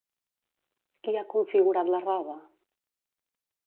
Qui ha configurat la roba?